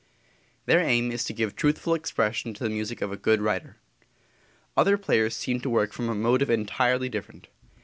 Their aim is to give truthful expression to the music of a good writer. Other players seem to work from a motive entirely different.